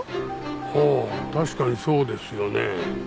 はあ確かにそうですよね。